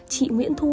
chị nguyễn thu